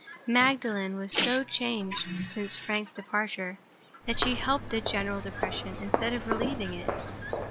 Magdalen was so changed since Frank's departure that she helped the general depression, instead of relieving it.